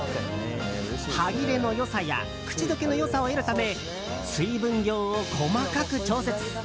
歯切れの良さや口溶けの良さを得るため水分量を細かく調節。